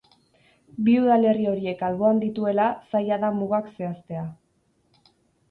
Bi udalerri horiek alboan dituela, zaila da mugak zehaztea.